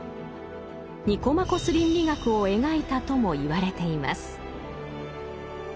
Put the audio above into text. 「ニコマコス倫理学」を描いたともいわれています。